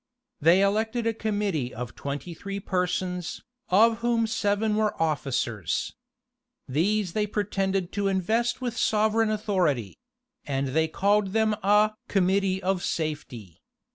They elected a committee of twenty three persons, of whom seven were officers. These they pretended to invest with sovereign authority; and they called them a "committee of safety."